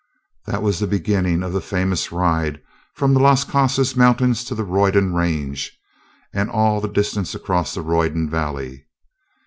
That was the beginning of the famous ride from the Las Casas mountains to the Roydon range, and all the distance across the Roydon valley.